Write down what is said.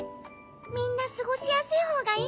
みんなすごしやすいほうがいいもんね。